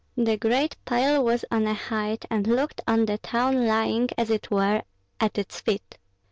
The great pile was on a height, and looked on the town lying, as it were, at its feet.